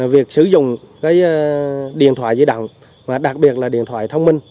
việc sử dụng cái điện thoại di động và đặc biệt là điện thoại thông minh